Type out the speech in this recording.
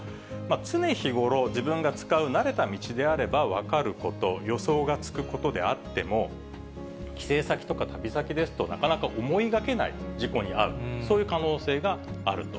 常日頃、自分が使う慣れた道であれば、分かること、予想がつくことであっても、帰省先とか旅先ですと、なかなか思いがけない事故に遭う、そういう可能性があると。